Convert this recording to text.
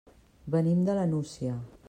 Venim de la Nucia.